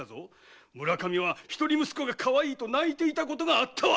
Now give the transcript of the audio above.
村上は「一人息子がかわいい」と泣いていたことがあったわ！